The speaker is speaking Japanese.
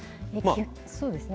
そうですね